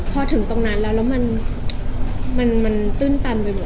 พอถึงตรงนั้นแล้วมันตื้นตันไปหมด